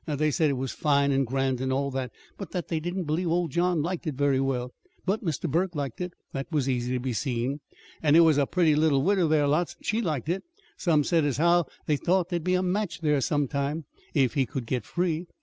They said it was fine and grand, and all that, but that they didn't believe old John liked it very well. But Mr. Burke liked it. That was easy to be seen. And there was a pretty little widder there lots, and she liked it. Some said as how they thought there'd be a match there, sometime, if he could get free.